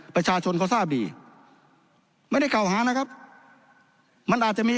ประชาชนเขาทราบดีไม่ได้กล่าวหานะครับมันอาจจะมี